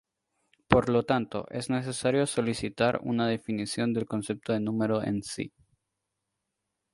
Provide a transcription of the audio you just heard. Por lo tanto, es necesario solicitar una definición del concepto de número en sí.